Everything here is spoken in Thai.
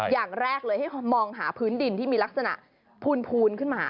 อย่างแรกเลยให้มองหาพื้นดินที่มีลักษณะพูนขึ้นมา